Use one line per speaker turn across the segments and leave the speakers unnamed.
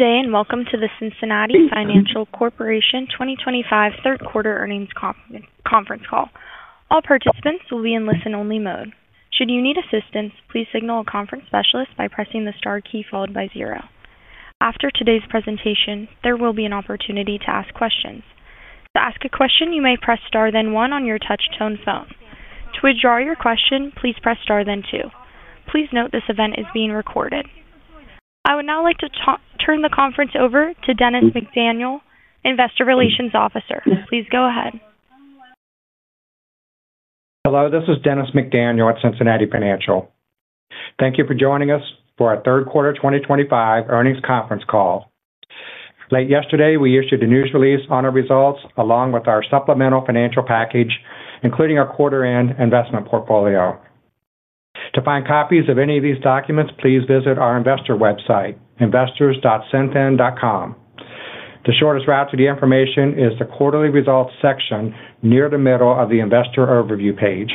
Today, and welcome to the Cincinnati Financial Corporation 2025 Third Quarter Earnings Conference Call. All participants will be in listen-only mode. Should you need assistance, please signal a conference specialist by pressing the star key followed by zero. After today's presentation, there will be an opportunity to ask questions. To ask a question, you may press star then one on your touch-tone phone. To withdraw your question, please press star then two. Please note this event is being recorded. I would now like to turn the conference over to Dennis McDaniel, Investor Relations Officer. Please go ahead.
Hello, this is Dennis McDaniel at Cincinnati Financial. Thank you for joining us for our third quarter 2025 earnings conference call. Late yesterday, we issued a news release on our results along with our supplemental financial package, including our quarter-end investment portfolio. To find copies of any of these documents, please visit our investor website, investors.cincinnati.com. The shortest route to the information is the quarterly results section near the middle of the investor overview page.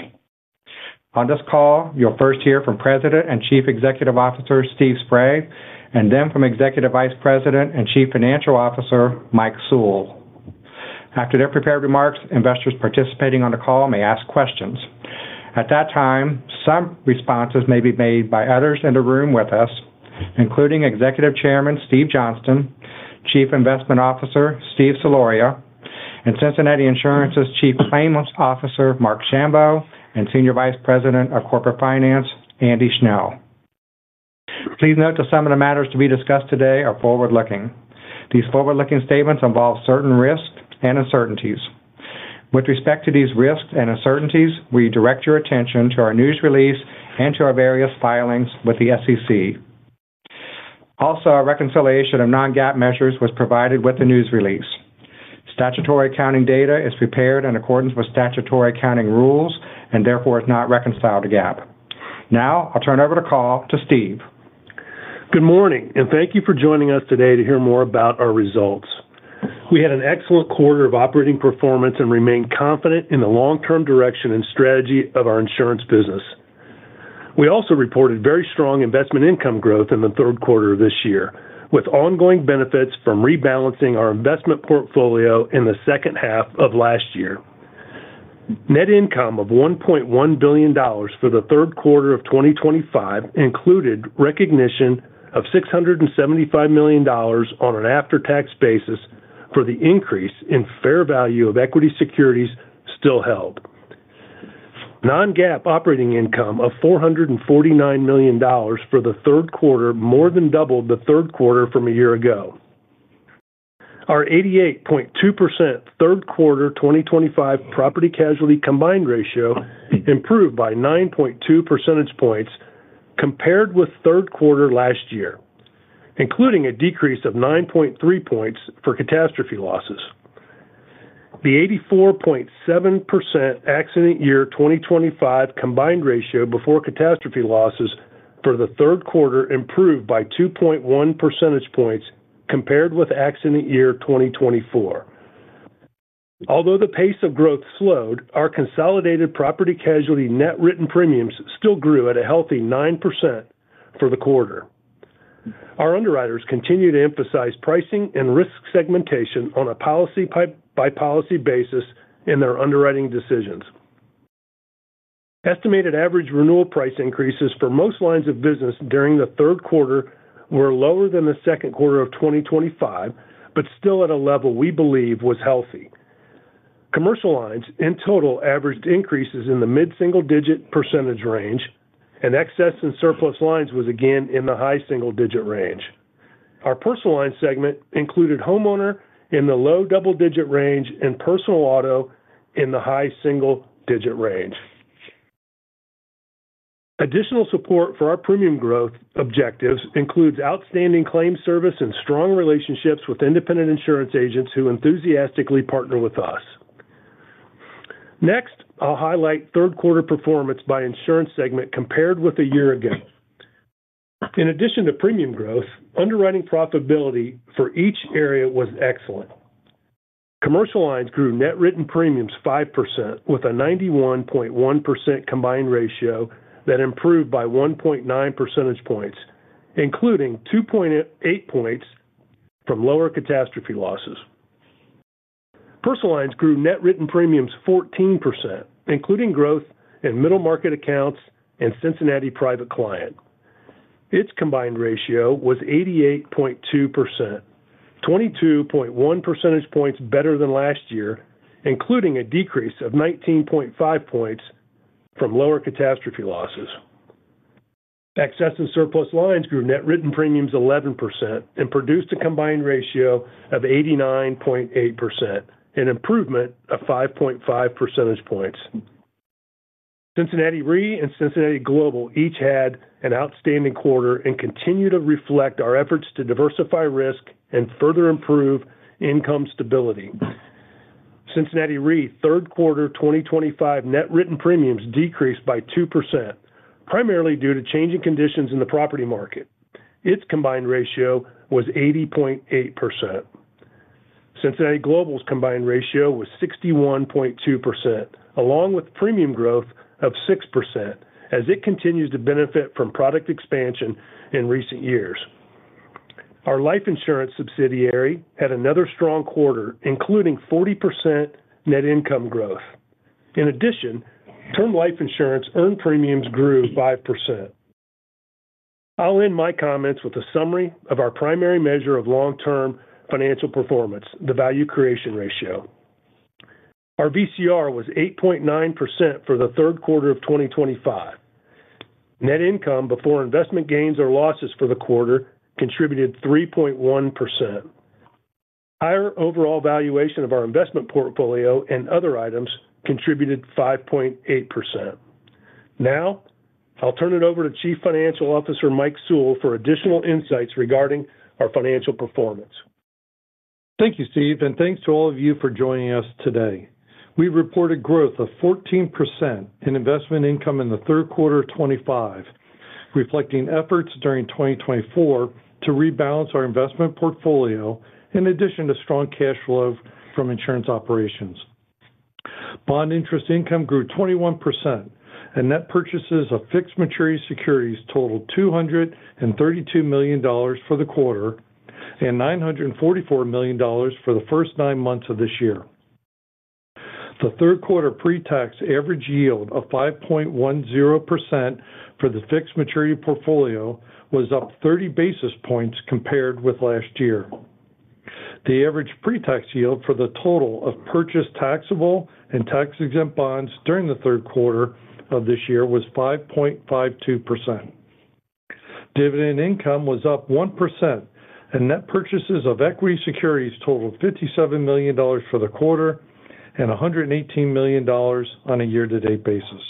On this call, you'll first hear from President and Chief Executive Officer Steve Spray, and then from Executive Vice President and Chief Financial Officer Mike Sewell. After their prepared remarks, investors participating on the call may ask questions. At that time, some responses may be made by others in the room with us, including Executive Chairman Steve Johnston, Chief Investment Officer Steve Seloria, and Cincinnati Insurance's Chief Claims Officer Mark Shambo, and Senior Vice President of Corporate Finance Andy Schnell. Please note that some of the matters to be discussed today are forward-looking. These forward-looking statements involve certain risks and uncertainties. With respect to these risks and uncertainties, we direct your attention to our news release and to our various filings with the SEC. Also, a reconciliation of non-GAAP measures was provided with the news release. Statutory accounting data is prepared in accordance with statutory accounting rules and therefore is not reconciled to GAAP. Now, I'll turn over the call to Steve.
Good morning, and thank you for joining us today to hear more about our results. We had an excellent quarter of operating performance and remained confident in the long-term direction and strategy of our insurance business. We also reported very strong investment income growth in the third quarter of this year, with ongoing benefits from rebalancing our investment portfolio in the second half of last year. Net income of $1.1 billion for the third quarter of 2025 included recognition of $675 million on an after-tax basis for the increase in fair value of equity securities still held. Non-GAAP operating income of $449 million for the third quarter more than doubled the third quarter from a year ago. Our 88.2% third quarter 2025 property casualty combined ratio improved by 9.2 percentage points compared with third quarter last year, including a decrease of 9.3 points for catastrophe losses. The 84.7% accident year 2025 combined ratio before catastrophe losses for the third quarter improved by 2.1 percentage points compared with accident year 2024. Although the pace of growth slowed, our consolidated property casualty net written premiums still grew at a healthy 9% for the quarter. Our underwriters continue to emphasize pricing and risk segmentation on a policy-by-policy basis in their underwriting decisions. Estimated average renewal price increases for most lines of business during the third quarter were lower than the second quarter of 2025, but still at a level we believe was healthy. Commercial lines in total averaged increases in the mid-single-digit percentage range, and E&S lines were again in the high single-digit range. Our personal line segment included homeowner in the low double-digit range and personal auto in the high single-digit range. Additional support for our premium growth objectives includes outstanding claims service and strong relationships with independent insurance agents who enthusiastically partner with us. Next, I'll highlight third quarter performance by insurance segment compared with a year ago. In addition to premium growth, underwriting profitability for each area was excellent. Commercial lines grew net written premiums 5% with a 91.1% combined ratio that improved by 1.9 percentage points, including 2.8 points from lower catastrophe losses. Personal lines grew net written premiums 14%, including growth in middle market accounts and Cincinnati private client. Its combined ratio was 88.2%, 22.1 percentage points better than last year, including a decrease of 19.5 points from lower catastrophe losses. Excess and surplus lines grew net written premiums 11% and produced a combined ratio of 89.8%, an improvement of 5.5 percentage points. Cincinnati RE and Cincinnati Global each had an outstanding quarter and continue to reflect our efforts to diversify risk and further improve income stability. Cincinnati RE's Third Quarter 2025 net written premiums decreased by 2%, primarily due to changing conditions in the property market. Its combined ratio was 80.8%. Cincinnati Global's combined ratio was 61.2%, along with premium growth of 6%, as it continues to benefit from product expansion in recent years. Our life insurance subsidiary had another strong quarter, including 40% net income growth. In addition, term life insurance earned premiums grew 5%. I'll end my comments with a summary of our primary measure of long-term financial performance, the value creation ratio. Our VCR was 8.9% for the third quarter of 2025. Net income before investment gains or losses for the quarter contributed 3.1%. Our overall valuation of our investment portfolio and other items contributed 5.8%. Now, I'll turn it over to Chief Financial Officer Mike Sewell for additional insights regarding our financial performance.
Thank you, Steve, and thanks to all of you for joining us today. We reported growth of 14% in investment income in the third quarter of 2025, reflecting efforts during 2024 to rebalance our investment portfolio in addition to strong cash flow from insurance operations. Bond interest income grew 21%, and net purchases of fixed maturity securities totaled $232 million for the quarter and $944 million for the first nine months of this year. The third quarter pre-tax average yield of 5.10% for the fixed maturity portfolio was up 30 basis points compared with last year. The average pre-tax yield for the total of purchased taxable and tax-exempt bonds during the third quarter of this year was 5.52%. Dividend income was up 1%, and net purchases of equity securities totaled $57 million for the quarter and $118 million on a year-to-date basis.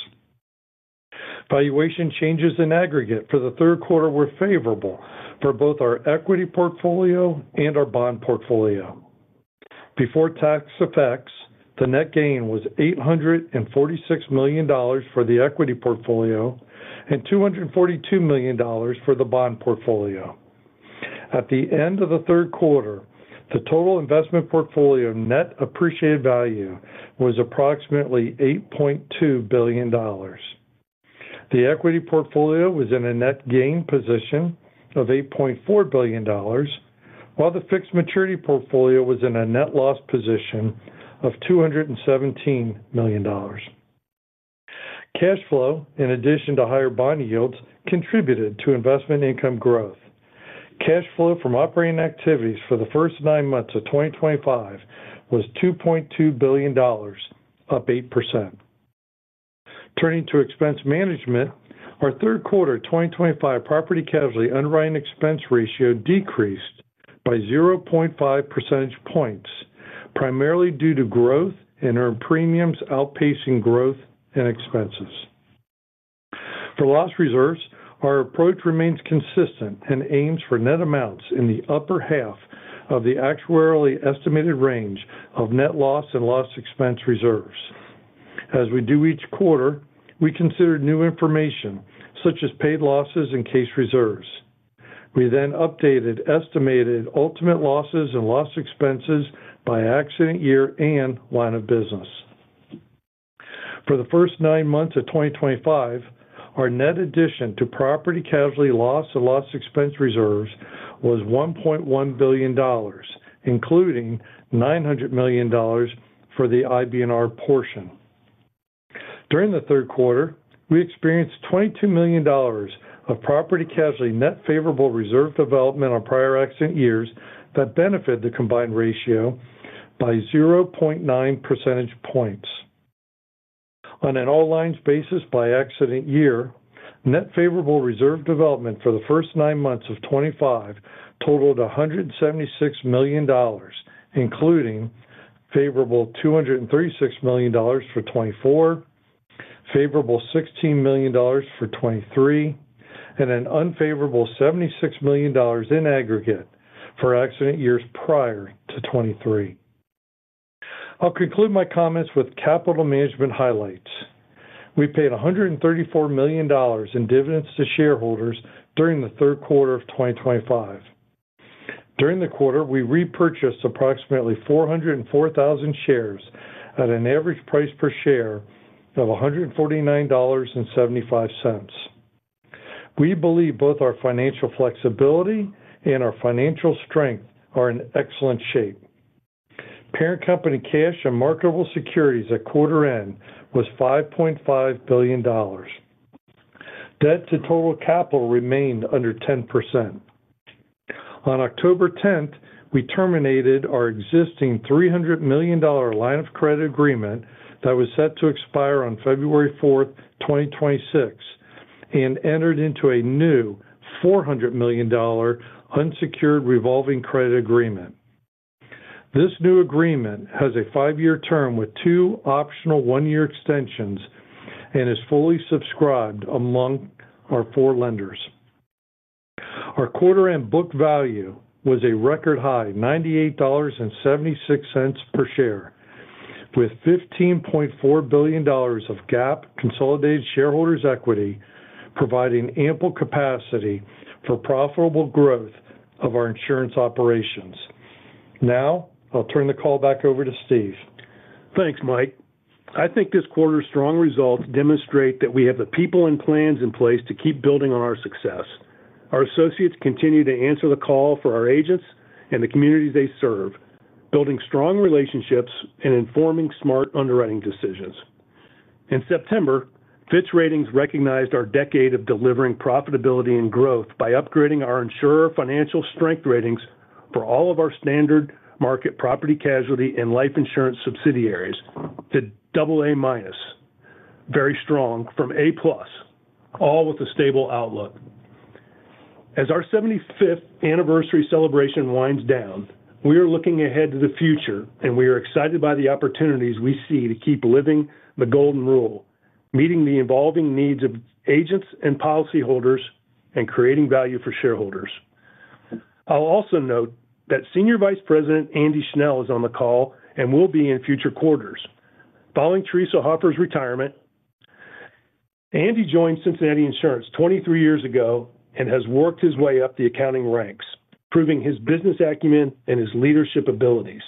Valuation changes in aggregate for the third quarter were favorable for both our equity portfolio and our bond portfolio. Before tax effects, the net gain was $846 million for the equity portfolio and $242 million for the bond portfolio. At the end of the third quarter, the total investment portfolio net appreciated value was approximately $8.2 billion. The equity portfolio was in a net gain position of $8.4 billion, while the fixed maturity portfolio was in a net loss position of $217 million. Cash flow, in addition to higher bond yields, contributed to investment income growth. Cash flow from operating activities for the first nine months of 2025 was $2.2 billion, up 8%. Turning to expense management, our third quarter 2025 property casualty underwriting expense ratio decreased by 0.5 percentage points, primarily due to growth in earned premiums outpacing growth in expenses. For loss reserves, our approach remains consistent and aims for net amounts in the upper half of the actuarially estimated range of net loss and loss expense reserves. As we do each quarter, we consider new information such as paid losses and case reserves. We then updated estimated ultimate losses and loss expenses by accident year and line of business. For the first nine months of 2025, our net addition to property casualty loss and loss expense reserves was $1.1 billion, including $900 million for the IBNR portion. During the third quarter, we experienced $22 million of property casualty net favorable reserve development on prior accident years that benefited the combined ratio by 0.9 percentage points. On an all-lines basis by accident year, net favorable reserve development for the first nine months of 2025 totaled $176 million, including favorable $236 million for 2024, favorable $16 million for 2023, and an unfavorable $76 million in aggregate for accident years prior to 2023. I'll conclude my comments with capital management highlights. We paid $134 million in dividends to shareholders during the third quarter of 2025. During the quarter, we repurchased approximately 404,000 shares at an average price per share of $149.75. We believe both our financial flexibility and our financial strength are in excellent shape. Parent company cash and marketable securities at quarter end was $5.5 billion. Debt to total capital remained under 10%. On October 10, we terminated our existing $300 million line of credit agreement that was set to expire on February 4, 2026, and entered into a new $400 million unsecured revolving credit agreement. This new agreement has a five-year term with two optional one-year extensions and is fully subscribed among our four lenders. Our quarter-end book value was a record high, $98.76 per share, with $15.4 billion of GAAP consolidated shareholders' equity providing ample capacity for profitable growth of our insurance operations. Now, I'll turn the call back over to Steve.
Thanks, Mike. I think this quarter's strong results demonstrate that we have the people and plans in place to keep building on our success. Our associates continue to answer the call for our agents and the communities they serve, building strong relationships and informing smart underwriting decisions. In September, Fitch Ratings recognized our decade of delivering profitability and growth by upgrading our insurer financial strength ratings for all of our standard market property casualty and life insurance subsidiaries to AA-, very strong from A+, all with a stable outlook. As our 75th anniversary celebration winds down, we are looking ahead to the future, and we are excited by the opportunities we see to keep living the golden rule, meeting the evolving needs of agents and policyholders, and creating value for shareholders. I'll also note that Senior Vice President Andy Schnell is on the call and will be in future quarters. Following Teresa Hoffer's retirement, Andy joined Cincinnati Insurance 23 years ago and has worked his way up the accounting ranks, proving his business acumen and his leadership abilities.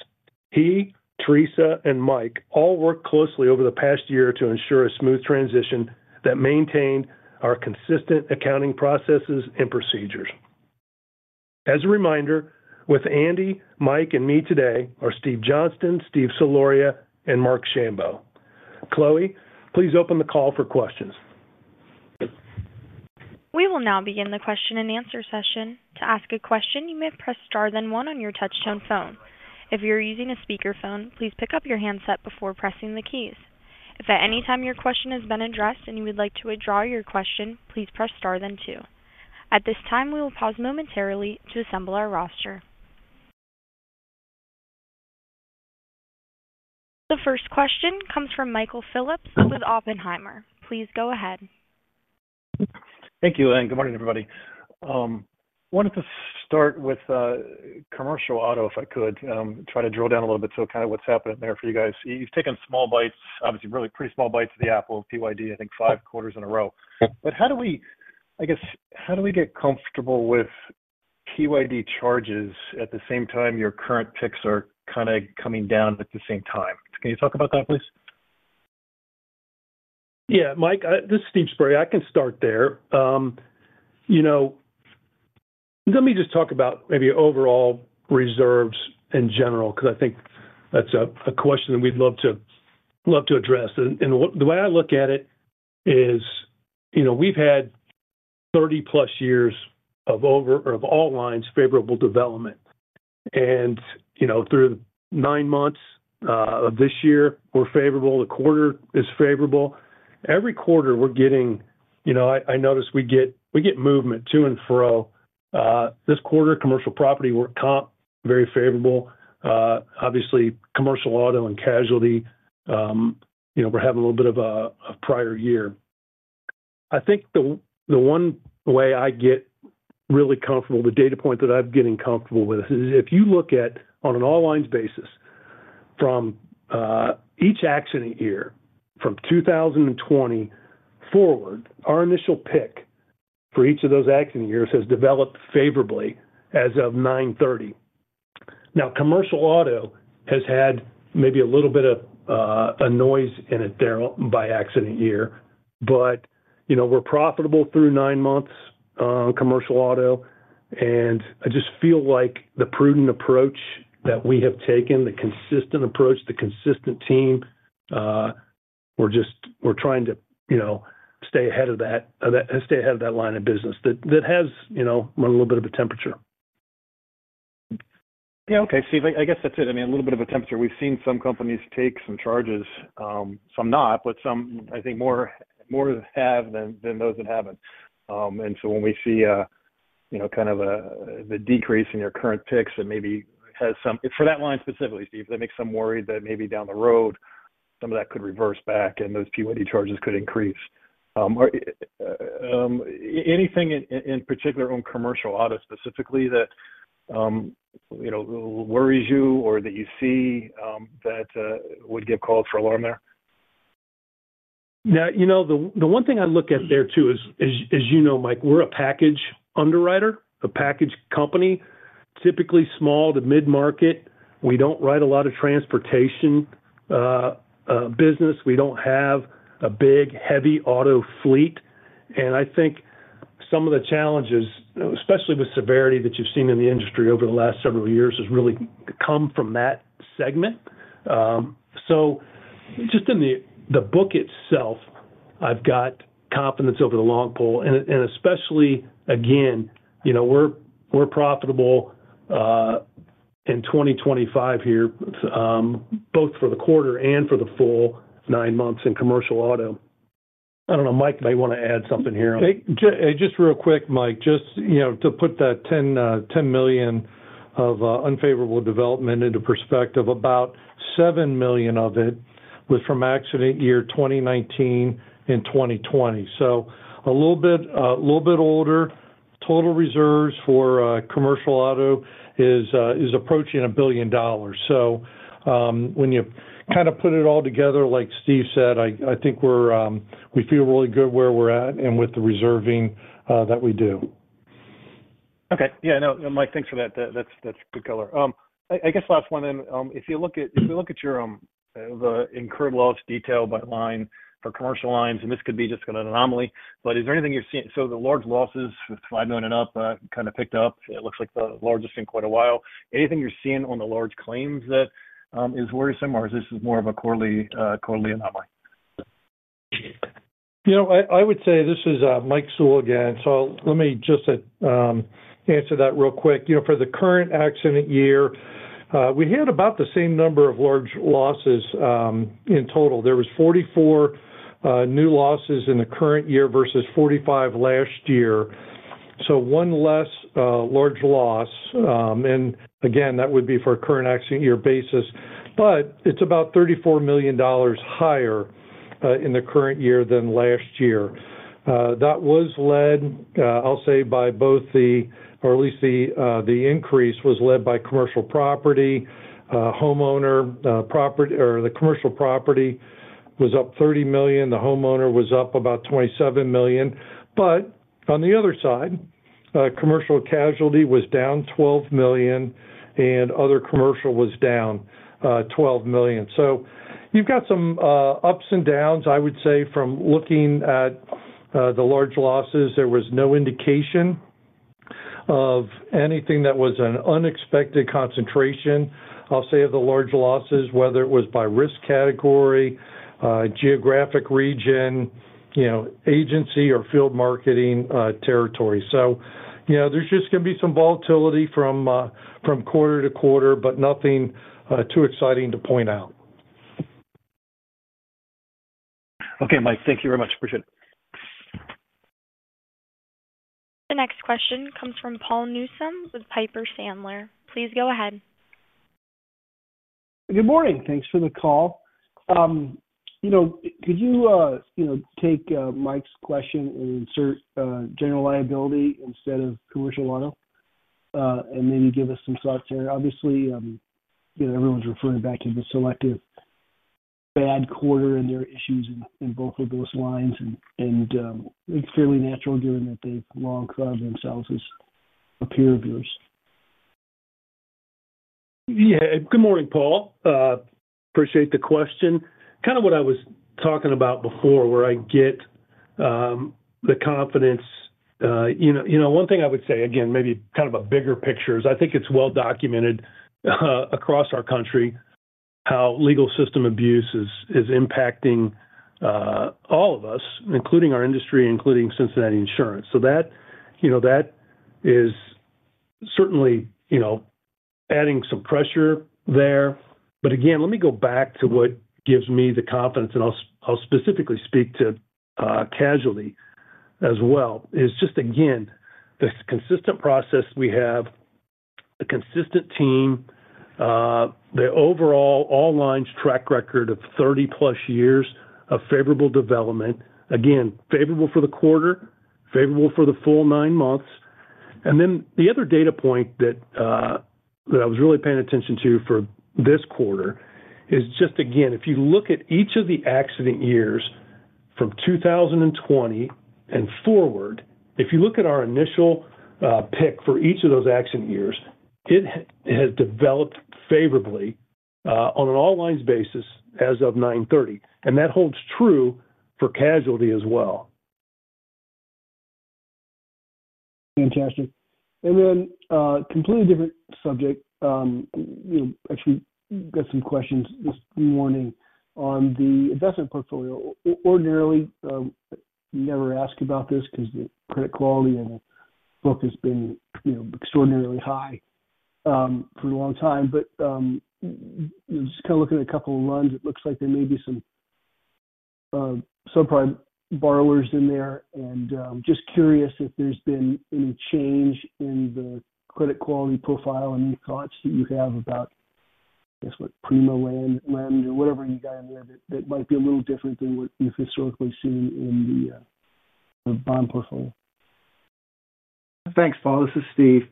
He, Teresa, and Mike all worked closely over the past year to ensure a smooth transition that maintained our consistent accounting processes and procedures. As a reminder, with Andy, Mike, and me today are Steve Johnston, Steve Seloria, and Mark Shambo. Chloe, please open the call for questions.
We will now begin the question and answer session. To ask a question, you may press star then one on your touch-tone phone. If you're using a speakerphone, please pick up your handset before pressing the keys. If at any time your question has been addressed and you would like to withdraw your question, please press star then two. At this time, we will pause momentarily to assemble our roster. The first question comes from Michael Phillips with Oppenheimer. Please go ahead.
Thank you, and good morning, everybody. I wanted to start with commercial auto, if I could try to drill down a little bit to kind of what's happening there for you guys. You've taken small bites, obviously really pretty small bites of the apple PYD, I think five quarters in a row. How do we, I guess, how do we get comfortable with PYD charges at the same time your current picks are kind of coming down at the same time? Can you talk about that, please?
Yeah, Mike, this is Steve Spray. I can start there. Let me just talk about maybe overall reserves in general, because I think that's a question that we'd love to address. The way I look at it is, you know, we've had 30-plus years of all lines, favorable development. Through the nine months of this year, we're favorable. The quarter is favorable. Every quarter we're getting, you know, I notice we get movement to and fro. This quarter, commercial property, work comp, very favorable. Obviously, commercial auto and casualty, you know, we're having a little bit of a prior year. I think the one way I get really comfortable, the data point that I'm getting comfortable with, is if you look at, on an all-lines basis, from each accident year from 2020 forward, our initial pick for each of those accident years has developed favorably as of 9/30. Now, commercial auto has had maybe a little bit of a noise in it there by accident year, but you know, we're profitable through nine months on commercial auto. I just feel like the prudent approach that we have taken, the consistent approach, the consistent team, we're just, we're trying to, you know, stay ahead of that, stay ahead of that line of business that has, you know, run a little bit of a temperature.
Yeah, okay, Steve, I guess that's it. I mean, a little bit of a temperature. We've seen some companies take some charges, some not, but some, I think, more have than those that haven't. When we see, you know, kind of the decrease in your current picks that maybe has some, for that line specifically, Steve, that makes some worry that maybe down the road, some of that could reverse back and those PYD charges could increase. Anything in particular on commercial auto specifically that, you know, worries you or that you see that would give cause for alarm there?
Now, the one thing I look at there too is, as you know, Mike, we're a package underwriter, a package company, typically small to mid-market. We don't write a lot of transportation business. We don't have a big heavy auto fleet. I think some of the challenges, especially with severity that you've seen in the industry over the last several years, has really come from that segment. Just in the book itself, I've got confidence over the long pole. Especially, again, we're profitable in 2025 here, both for the quarter and for the full nine months in commercial auto. I don't know, Mike, if you want to add something here.
Just real quick, Mike, to put that $10 million of unfavorable development into perspective, about $7 million of it was from accident year 2019 and 2020. A little bit older, total reserves for commercial auto is approaching $1 billion. When you kind of put it all together, like Steve said, I think we feel really good where we're at and with the reserving that we do.
Okay, yeah, no, Mike, thanks for that. That's good color. I guess last one then, if you look at your incurred loss detail by line for commercial lines, and this could be just an anomaly, but is there anything you're seeing? The large losses with $5 million and up kind of picked up. It looks like the largest in quite a while. Anything you're seeing on the large claims that is worrisome, or is this more of a quarterly anomaly?
I would say this is Mike Sewell again. Let me just answer that real quick. For the current accident year, we had about the same number of large losses in total. There were 44 new losses in the current year versus 45 last year, so one less large loss. That would be for a current accident year basis. It's about $34 million higher in the current year than last year. That was led, I'll say, by both the, or at least the increase was led by commercial property. The commercial property was up $30 million. The homeowner was up about $27 million. On the other side, commercial casualty was down $12 million, and other commercial was down $12 million. You've got some ups and downs, I would say, from looking at the large losses. There was no indication of anything that was an unexpected concentration, I'll say, of the large losses, whether it was by risk category, geographic region, agency, or field marketing territory. There's just going to be some volatility from quarter to quarter, but nothing too exciting to point out.
Okay, Mike, thank you very much. Appreciate it.
The next question comes from Paul Newsom with Piper Sandler. Please go ahead.
Good morning. Thanks for the call. Could you take Mike's question and insert general liability instead of commercial auto and maybe give us some thoughts here? Obviously, everyone's referring back to the selective bad quarter and their issues in both of those lines. It's fairly natural given that they've long thought of themselves as a peer of yours.
Good morning, Paul. Appreciate the question. Kind of what I was talking about before where I get the confidence. One thing I would say, again, maybe kind of a bigger picture is I think it's well documented across our country how legal system abuse is impacting all of us, including our industry, including Cincinnati Insurance. That is certainly adding some pressure there. Let me go back to what gives me the confidence, and I'll specifically speak to casualty as well. It's just, again, the consistent process we have, the consistent team, the overall all-lines track record of 30-plus years of favorable development. Again, favorable for the quarter, favorable for the full nine months. The other data point that I was really paying attention to for this quarter is just, again, if you look at each of the accident years from 2020 and forward, if you look at our initial pick for each of those accident years, it has developed favorably on an all-lines basis as of 9:30. That holds true for casualty as well.
Fantastic. On a completely different subject, we got some questions this morning on the investment portfolio. Ordinarily, I never ask about this because the credit quality in the book has been extraordinarily high for a long time. Just kind of looking at a couple of runs, it looks like there may be some subprime borrowers in there. I'm just curious if there's been any change in the credit quality profile and any thoughts that you have about, I guess, what Prima land or whatever you got in there that might be a little different than what you've historically seen in the bond portfolio.
Thanks, Paul. This is Steve.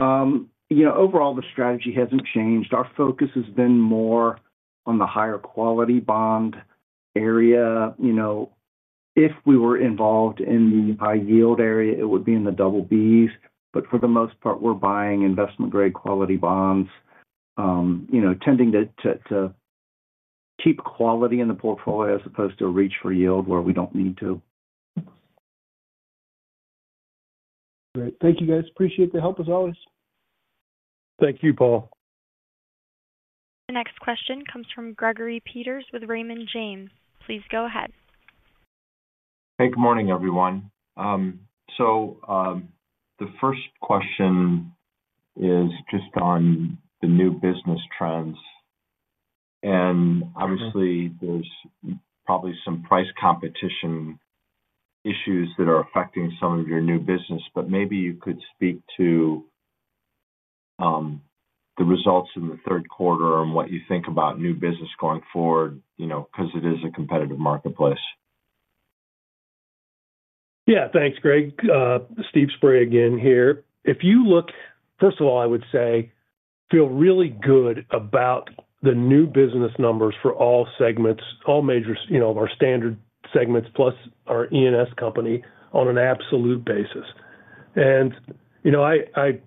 Overall, the strategy hasn't changed. Our focus has been more on the higher quality bond area. If we were involved in the high yield area, it would be in the double Bs. For the most part, we're buying investment-grade quality bonds, tending to keep quality in the portfolio as opposed to reach for yield where we don't need to.
Great. Thank you, guys. Appreciate the help as always.
Thank you, Paul.
The next question comes from Gregory Peters with Raymond James. Please go ahead.
Hey, good morning, everyone. The first question is just on the new business trends. Obviously, there's probably some price competition issues that are affecting some of your new business, but maybe you could speak to the results in the third quarter and what you think about new business going forward, you know, because it is a competitive marketplace.
Yeah, thanks, Greg. Steve Spray again here. If you look, first of all, I would say, feel really good about the new business numbers for all segments, all majors, you know, of our standard segments plus our E&S company on an absolute basis. I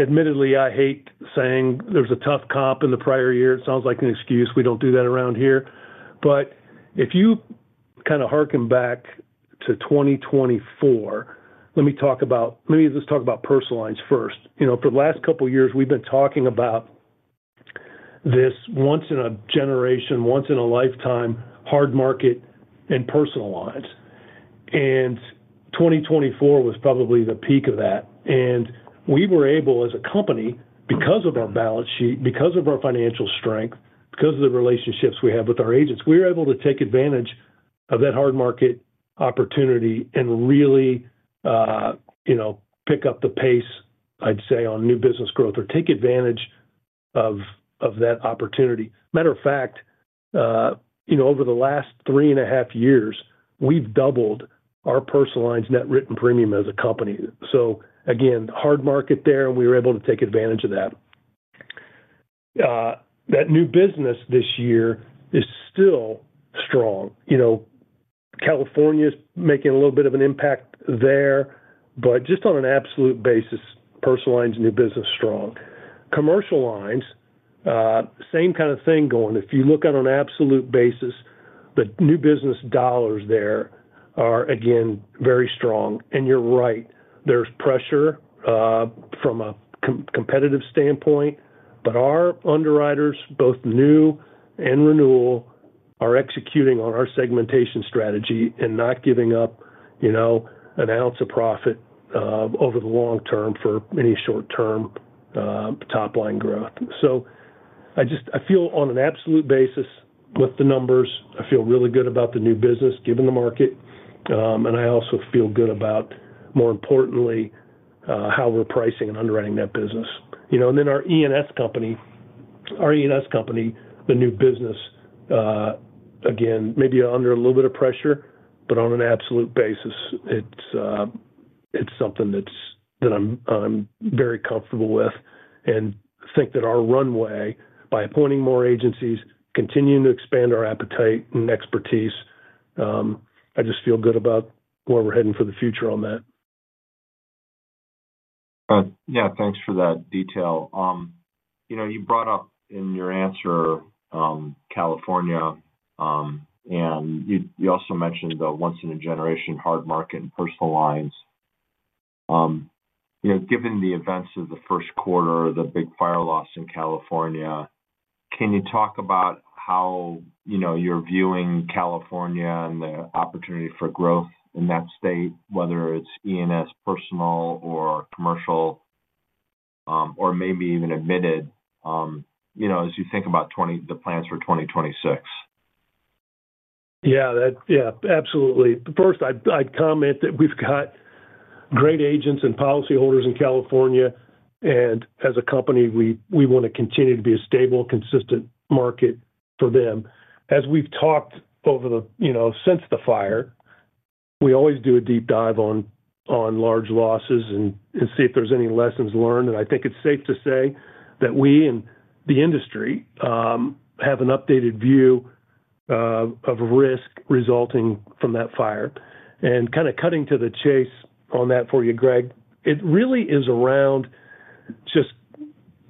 admittedly hate saying there's a tough comp in the prior year. It sounds like an excuse. We don't do that around here. If you kind of hearken back to 2024, let me talk about, let me just talk about personal lines first. For the last couple of years, we've been talking about this once in a generation, once in a lifetime, hard market in personal lines. 2024 was probably the peak of that. We were able, as a company, because of our balance sheet, because of our financial strength, because of the relationships we have with our agents, we were able to take advantage of that hard market opportunity and really, you know, pick up the pace, I'd say, on new business growth or take advantage of that opportunity. Matter of fact, over the last three and a half years, we've doubled our personal lines net written premium as a company. Again, hard market there, and we were able to take advantage of that. That new business this year is still strong. California's making a little bit of an impact there, but just on an absolute basis, personal lines new business strong. Commercial lines, same kind of thing going. If you look on an absolute basis, the new business dollars there are, again, very strong. You're right. There's pressure from a competitive standpoint, but our underwriters, both new and renewal, are executing on our segmentation strategy and not giving up, you know, an ounce of profit over the long term for any short-term top line growth. I feel on an absolute basis with the numbers, I feel really good about the new business given the market. I also feel good about, more importantly, how we're pricing and underwriting that business. Our E&S company, the new business, again, maybe under a little bit of pressure, but on an absolute basis, it's something that I'm very comfortable with and think that our runway by appointing more agencies, continuing to expand our appetite and expertise, I just feel good about where we're heading for the future on that.
Yeah, thanks for that detail. You brought up in your answer California, and you also mentioned the once-in-a-generation hard market in personal lines. Given the events of the first quarter, the big fire loss in California, can you talk about how you're viewing California and the opportunity for growth in that state, whether it's E&S, personal, or commercial, or maybe even admitted, as you think about the plans for 2026?
Yeah, absolutely. First, I'd comment that we've got great agents and policyholders in California, and as a company, we want to continue to be a stable, consistent market for them. As we've talked over the, you know, since the fire, we always do a deep dive on large losses and see if there's any lessons learned. I think it's safe to say that we and the industry have an updated view of risk resulting from that fire. Cutting to the chase on that for you, Greg, it really is around just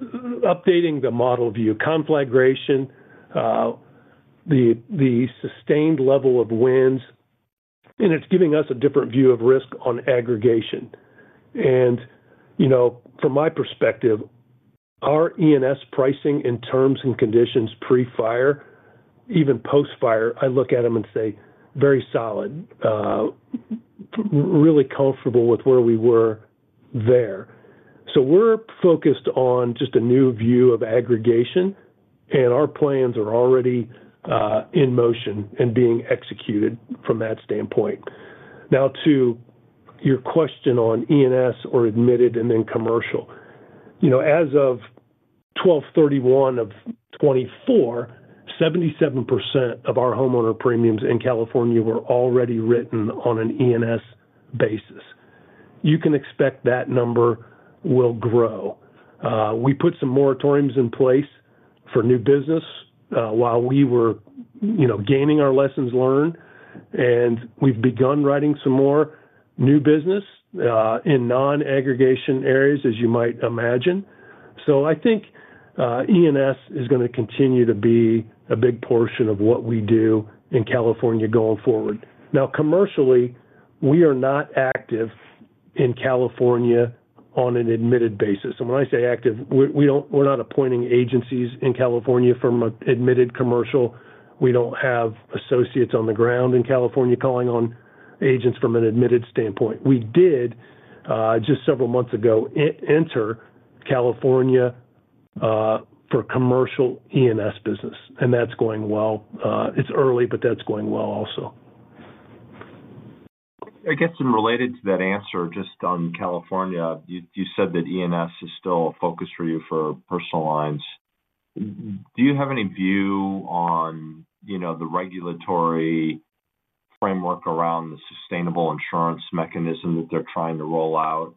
updating the model view, conflagration, the sustained level of winds, and it's giving us a different view of risk on aggregation. From my perspective, our E&S pricing in terms and conditions pre-fire, even post-fire, I look at them and say very solid, really comfortable with where we were there. We're focused on just a new view of aggregation, and our plans are already in motion and being executed from that standpoint. Now, to your question on E&S or admitted and then commercial, as of 12/31/2024, 77% of our homeowner premiums in California were already written on an E&S basis. You can expect that number will grow. We put some moratoriums in place for new business while we were gaining our lessons learned, and we've begun writing some more new business in non-aggregation areas, as you might imagine. I think E&S is going to continue to be a big portion of what we do in California going forward. Now, commercially, we are not active in California on an admitted basis. When I say active, we're not appointing agencies in California from an admitted commercial. We don't have associates on the ground in California calling on agents from an admitted standpoint. We did just several months ago enter California for commercial E&S business, and that's going well. It's early, but that's going well also.
I guess, and related to that answer, just on California, you said that E&S lines are still a focus for you for personal lines. Do you have any view on the regulatory framework around the sustainable insurance mechanism that they're trying to roll out?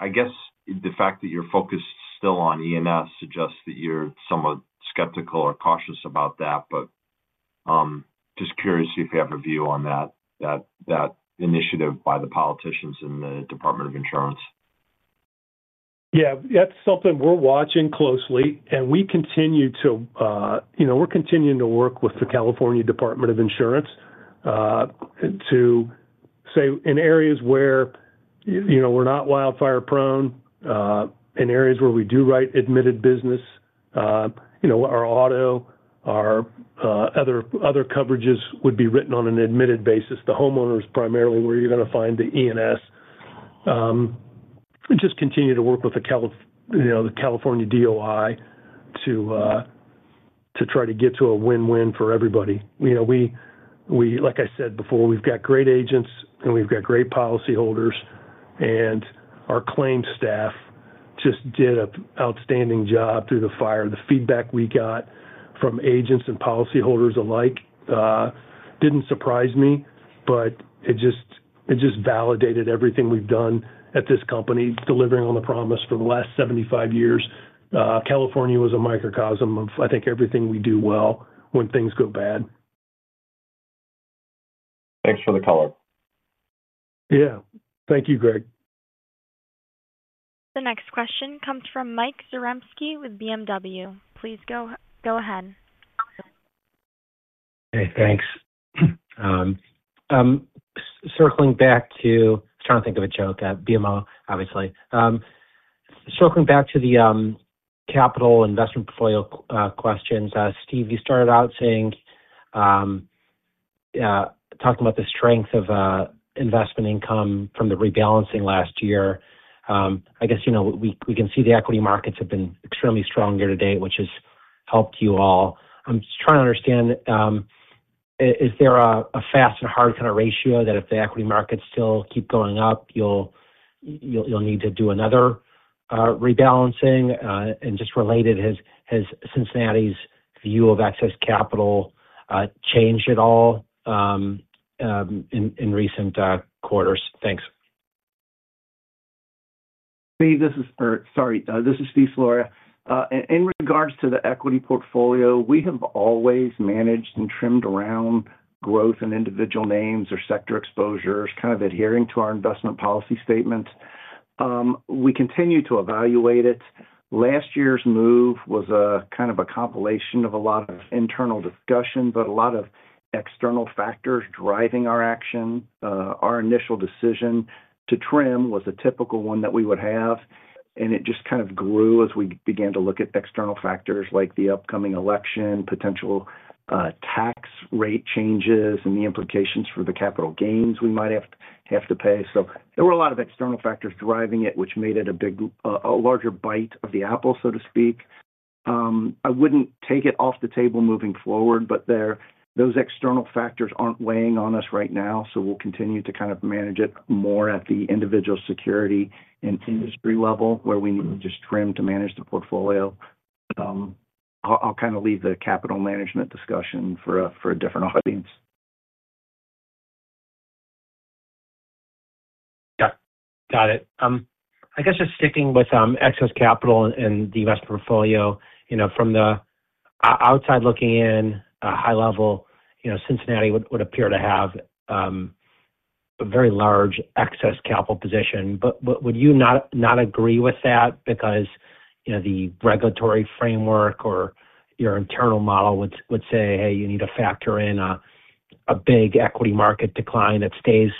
I guess the fact that you're focused still on E&S lines suggests that you're somewhat skeptical or cautious about that, but just curious if you have a view on that initiative by the politicians in the Department of Insurance.
Yeah, that's something we're watching closely, and we continue to work with the California Department of Insurance to say in areas where we're not wildfire prone, in areas where we do write admitted business, our auto, our other coverages would be written on an admitted basis. The homeowner is primarily where you're going to find the E&S. We just continue to work with the California DOI to try to get to a win-win for everybody. Like I said before, we've got great agents and we've got great policyholders, and our claims staff just did an outstanding job through the fire. The feedback we got from agents and policyholders alike didn't surprise me, but it just validated everything we've done at this company, delivering on the promise for the last 75 years. California was a microcosm of, I think, everything we do well when things go bad.
Thanks for the color.
Yeah, thank you, Greg.
The next question comes from Mike Zaremski with BMO. Please go ahead.
Hey, thanks. Circling back to, I was trying to think of a joke at BMO, obviously. Circling back to the capital investment portfolio questions, Steve, you started out saying, talking about the strength of investment income from the rebalancing last year. I guess, you know, we can see the equity markets have been extremely strong here to date, which has helped you all. I'm just trying to understand, is there a fast and hard kind of ratio that if the equity markets still keep going up, you'll need to do another rebalancing? Just related, has Cincinnati's view of excess capital changed at all in recent quarters? Thanks.
This is Steve Seloria. In regards to the equity portfolio, we have always managed and trimmed around growth and individual names or sector exposures, kind of adhering to our investment policy statements. We continue to evaluate it. Last year's move was kind of a compilation of a lot of internal discussion, but a lot of external factors driving our action. Our initial decision to trim was a typical one that we would have. It just kind of grew as we began to look at external factors like the upcoming election, potential tax rate changes, and the implications for the capital gains we might have to pay. There were a lot of external factors driving it, which made it a larger bite of the apple, so to speak. I wouldn't take it off the table moving forward, but those external factors aren't weighing on us right now. We'll continue to kind of manage it more at the individual security and industry level where we need to just trim to manage the portfolio. I'll leave the capital management discussion for a different audience.
Yeah, got it. I guess just sticking with excess capital and the investment portfolio, you know, from the outside looking in, at a high level, you know, Cincinnati Financial would appear to have a very large excess capital position. Would you not agree with that because, you know, the regulatory framework or your internal model would say, hey, you need to factor in a big equity market decline that stays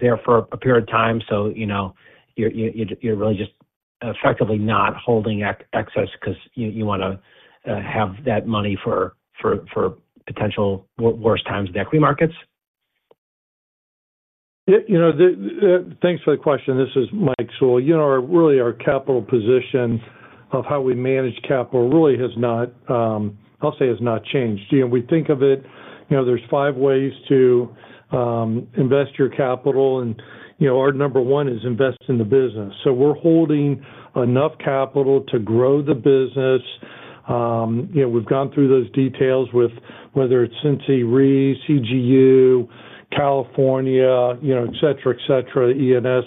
there for a period of time? You know, you're really just effectively not holding excess because you want to have that money for potential worst times of the equity markets.
You know, thanks for the question. This is Mike Sewell. Really, our capital position of how we manage capital has not, I'll say, has not changed. We think of it, you know, there's five ways to invest your capital. Our number one is invest in the business. We're holding enough capital to grow the business. We've gone through those details with whether it's Cincinnati RE, Cincinnati Global, California, etc., E&S lines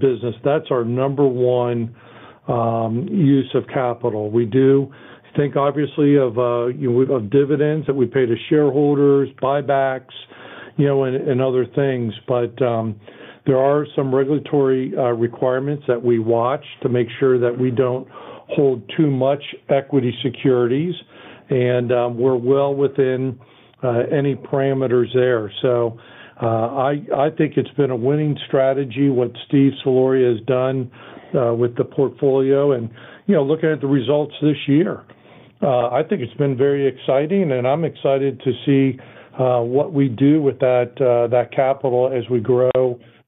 business. That's our number one use of capital. We do think, obviously, of dividends that we pay to shareholders, buybacks, and other things. There are some regulatory requirements that we watch to make sure that we don't hold too much equity securities. We're well within any parameters there. I think it's been a winning strategy what Steve Seloria has done with the portfolio. Looking at the results this year, I think it's been very exciting. I'm excited to see what we do with that capital as we grow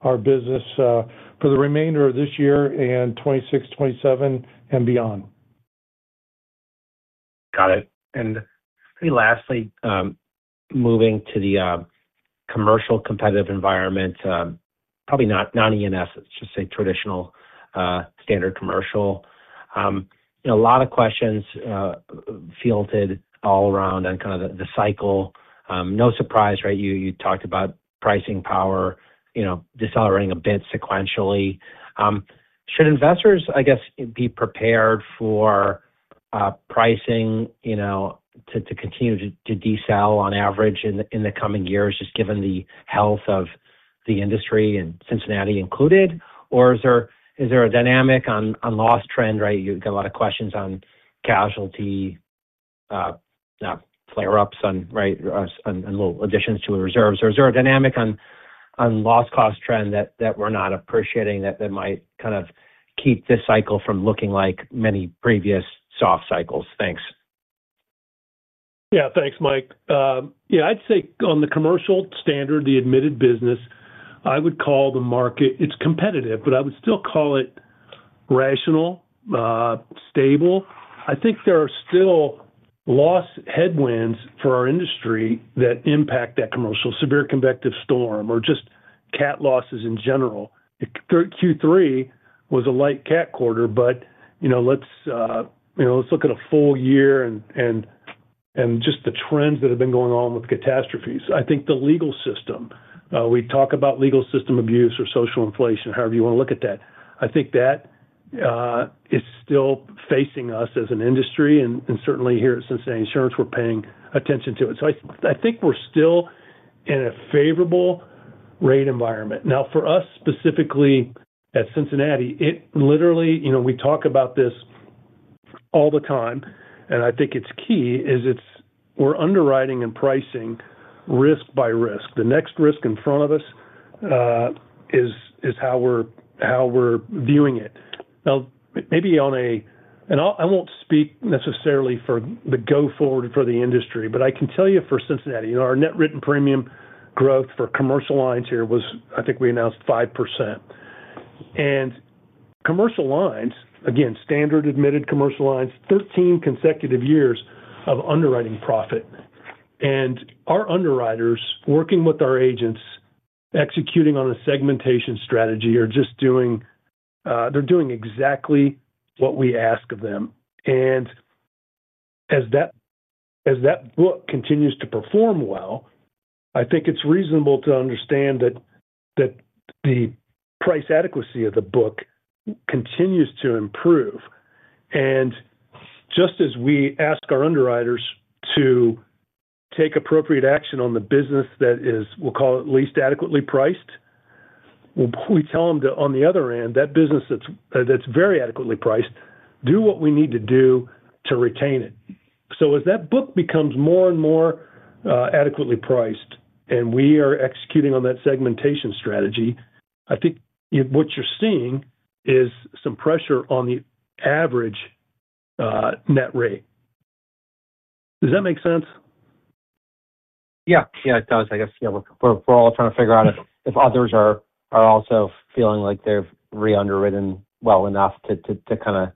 our business for the remainder of this year and 2026, 2027, and beyond.
Got it. Maybe lastly, moving to the commercial competitive environment, probably not non-E&S, let's just say traditional standard commercial. You know, a lot of questions fielded all around on kind of the cycle. No surprise, right? You talked about pricing power, you know, decelerating a bit sequentially. Should investors, I guess, be prepared for pricing, you know, to continue to descale on average in the coming years, just given the health of the industry and Cincinnati Financial Corporation included? Is there a dynamic on loss trend, right? You've got a lot of questions on casualty flare-ups on, right, and little additions to reserves. Is there a dynamic on loss cost trend that we're not appreciating that might kind of keep this cycle from looking like many previous soft cycles? Thanks.
Yeah, thanks, Mike. I'd say on the commercial standard, the admitted business, I would call the market, it's competitive, but I would still call it rational, stable. I think there are still loss headwinds for our industry that impact that commercial severe convective storm or just cat losses in general. Q3 was a light cat quarter, but you know, let's look at a full year and just the trends that have been going on with catastrophes. I think the legal system, we talk about legal system abuse or social inflation, however you want to look at that. I think that is still facing us as an industry. Certainly here at Cincinnati Insurance, we're paying attention to it. I think we're still in a favorable rate environment. Now, for us specifically at Cincinnati, it literally, you know, we talk about this all the time. I think it's key is it's we're underwriting and pricing risk by risk. The next risk in front of us is how we're viewing it. Maybe on a, and I won't speak necessarily for the go-forward for the industry, but I can tell you for Cincinnati, our net written premium growth for commercial lines here was, I think we announced 5%. Commercial lines, again, standard admitted commercial lines, 13 consecutive years of underwriting profit. Our underwriters working with our agents, executing on a segmentation strategy or just doing, they're doing exactly what we ask of them. As that book continues to perform well, I think it's reasonable to understand that the price adequacy of the book continues to improve. Just as we ask our underwriters to take appropriate action on the business that is, we'll call it least adequately priced, we tell them to, on the other end, that business that's very adequately priced, do what we need to do to retain it. As that book becomes more and more adequately priced and we are executing on that segmentation strategy, I think what you're seeing is some pressure on the average net rate. Does that make sense?
Yeah, it does. I guess we're all trying to figure out if others are also feeling like they've re-underwritten well enough to kind of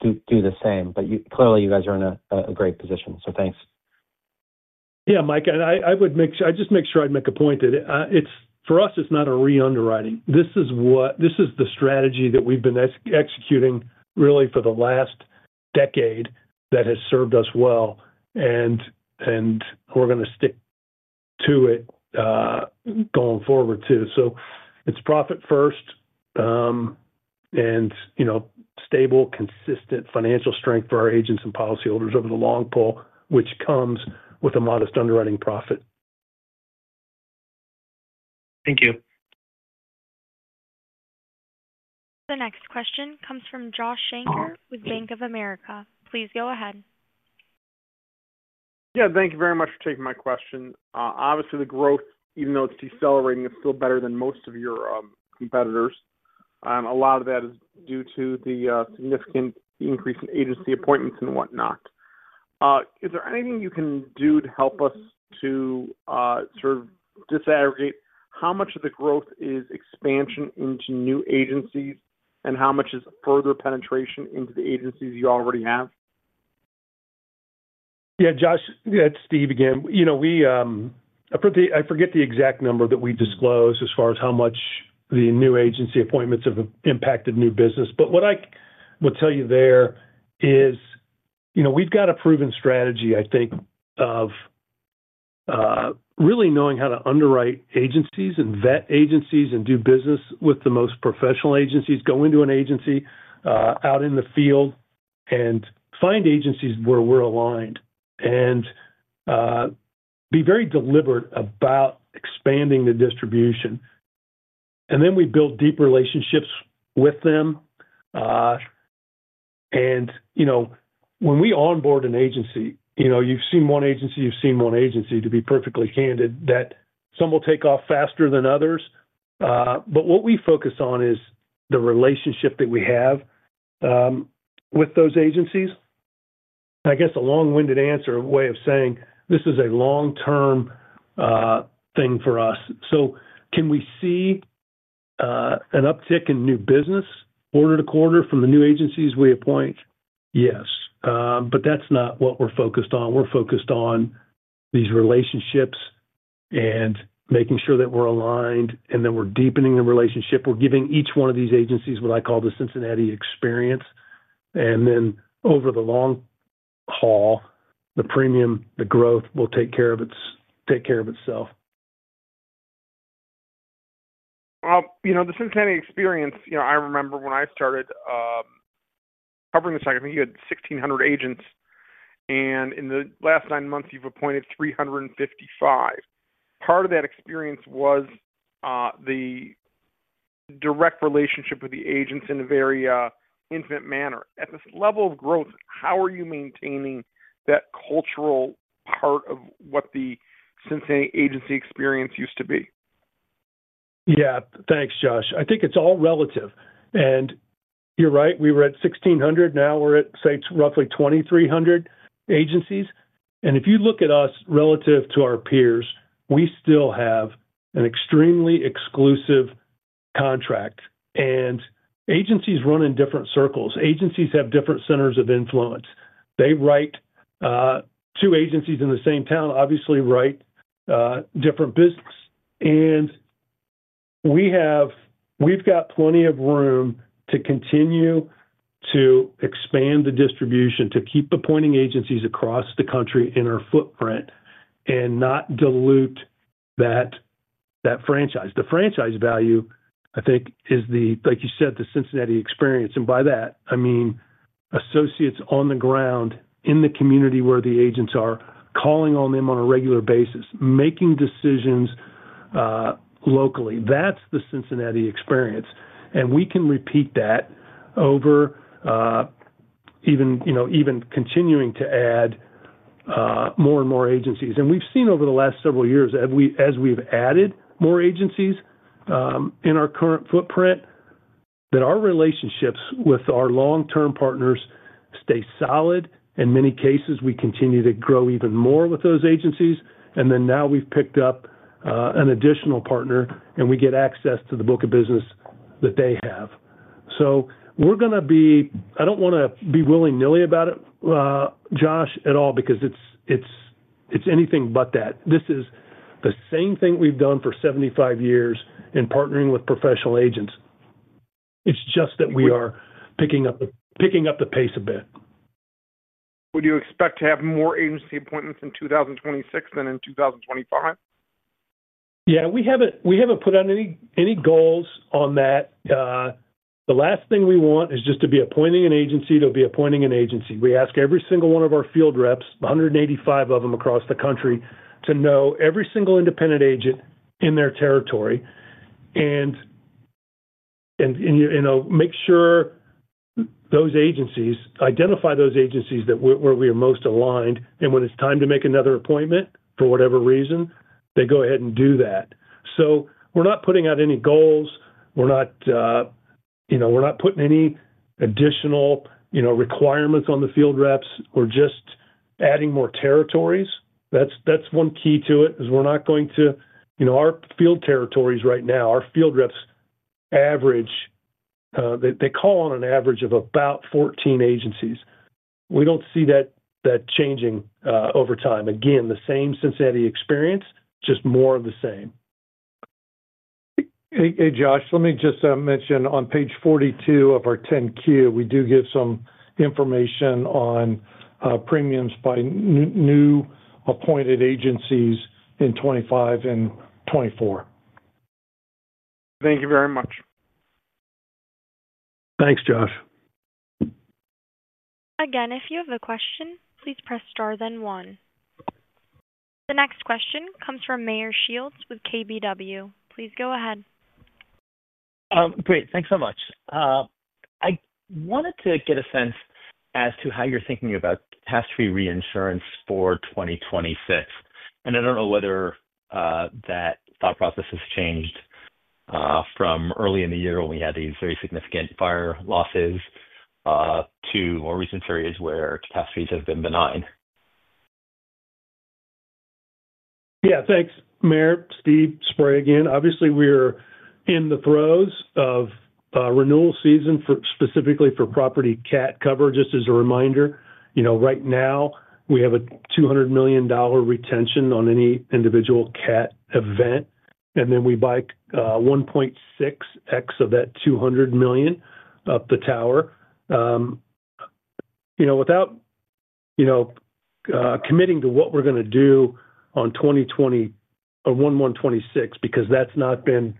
do the same. Clearly, you guys are in a great position. Thanks.
Yeah, Mike, I would make sure I make a point that for us, it's not a re-underwriting. This is the strategy that we've been executing really for the last decade that has served us well. We're going to stick to it going forward too. It's profit first and, you know, stable, consistent financial strength for our agents and policyholders over the long pole, which comes with a modest underwriting profit.
Thank you.
The next question comes from Josh Schenker with Bank of America. Please go ahead.
Yeah, thank you very much for taking my question. Obviously, the growth, even though it's decelerating, is still better than most of your competitors. A lot of that is due to the significant increase in agency appointments and whatnot. Is there anything you can do to help us to sort of disaggregate how much of the growth is expansion into new agencies and how much is further penetration into the agencies you already have?
Yeah, Josh, that's Steve again. You know, I forget the exact number that we disclosed as far as how much the new agency appointments have impacted new business. What I would tell you there is, we've got a proven strategy, I think, of really knowing how to underwrite agencies and vet agencies and do business with the most professional agencies, go into an agency out in the field and find agencies where we're aligned and be very deliberate about expanding the distribution. We build deep relationships with them. When we onboard an agency, you've seen one agency, you've seen one agency, to be perfectly candid, that some will take off faster than others. What we focus on is the relationship that we have with those agencies. I guess a long-winded answer way of saying this is a long-term thing for us. Can we see an uptick in new business quarter to quarter from the new agencies we appoint? Yes. That's not what we're focused on. We're focused on these relationships and making sure that we're aligned and that we're deepening the relationship. We're giving each one of these agencies what I call the Cincinnati experience. Over the long haul, the premium, the growth will take care of itself.
The Cincinnati experience, you know, I remember when I started covering the site, I think you had 1,600 agents. In the last nine months, you've appointed 355. Part of that experience was the direct relationship with the agents in a very intimate manner. At this level of growth, how are you maintaining that cultural part of what the Cincinnati agency experience used to be?
Yeah, thanks, Josh. I think it's all relative. You're right, we were at 1,600. Now we're at, say, roughly 2,300 agencies. If you look at us relative to our peers, we still have an extremely exclusive contract. Agencies run in different circles. Agencies have different centers of influence. They write, two agencies in the same town obviously write different business. We've got plenty of room to continue to expand the distribution, to keep appointing agencies across the country in our footprint and not dilute that franchise. The franchise value, I think, is the, like you said, the Cincinnati experience. By that, I mean associates on the ground in the community where the agents are, calling on them on a regular basis, making decisions locally. That's the Cincinnati experience. We can repeat that over even, you know, even continuing to add more and more agencies. We've seen over the last several years, as we've added more agencies in our current footprint, that our relationships with our long-term partners stay solid. In many cases, we continue to grow even more with those agencies. Now we've picked up an additional partner, and we get access to the book of business that they have. We're going to be, I don't want to be willy-nilly about it, Josh, at all, because it's anything but that. This is the same thing we've done for 75 years in partnering with professional agents. It's just that we are picking up the pace a bit.
Would you expect to have more agency appointments in 2026 than in 2025?
Yeah, we haven't put out any goals on that. The last thing we want is just to be appointing an agency to be appointing an agency. We ask every single one of our field reps, 185 of them across the country, to know every single independent agent in their territory and make sure those agencies, identify those agencies where we are most aligned. When it's time to make another appointment for whatever reason, they go ahead and do that. We're not putting out any goals. We're not putting any additional requirements on the field reps. We're just adding more territories. That's one key to it is we're not going to, our field territories right now, our field reps average, they call on an average of about 14 agencies. We don't see that changing over time. Again, the same Cincinnati experience, just more of the same.
Hey, Josh, let me just mention on page 42 of our 10-Q, we do give some information on premiums by new appointed agencies in 2025 and 2024.
Thank you very much.
Thanks, Josh.
Again, if you have a question, please press star then one. The next question comes from Meyer Shields with KBW. Please go ahead.
Great, thanks so much. I wanted to get a sense as to how you're thinking about catastrophe reinsurance for 2026. I don't know whether that thought process has changed from early in the year when we had these very significant fire losses to more recent periods where catastrophes have been benign.
Yeah, thanks, Meyer. Steve Spray again. Obviously, we are in the throes of renewal season specifically for property CAT cover, just as a reminder. Right now, we have a $200 million retention on any individual CAT event, and then we buy 1.6x of that $200 million up the tower. Without committing to what we're going to do on 1/1/2026, because that's not been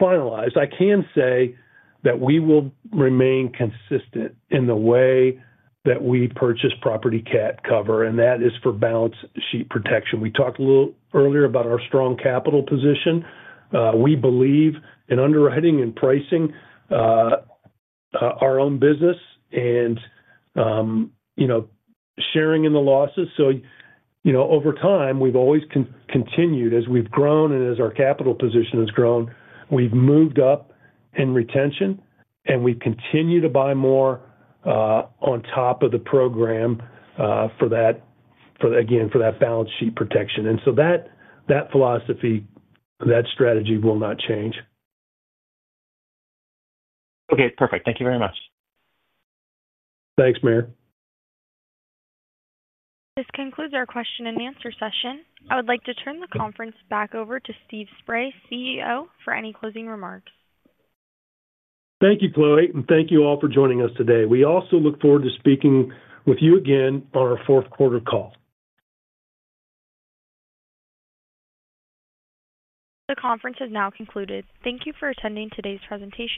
finalized, I can say that we will remain consistent in the way that we purchase property CAT cover, and that is for balance sheet protection. We talked a little earlier about our strong capital position. We believe in underwriting and pricing our own business and sharing in the losses. Over time, we've always continued, as we've grown and as our capital position has grown, we've moved up in retention, and we continue to buy more on top of the program for that, again, for that balance sheet protection. That philosophy, that strategy will not change.
Okay, perfect. Thank you very much.
Thanks, Meyer.
This concludes our question and answer session. I would like to turn the conference back over to Steve Spray, CEO, for any closing remarks.
Thank you, Chloe, and thank you all for joining us today. We also look forward to speaking with you again on our fourth quarter call.
The conference has now concluded. Thank you for attending today's presentation.